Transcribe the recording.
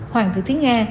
hoàng thị thúy nga